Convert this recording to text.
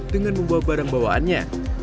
dengan membawa barang bawaannya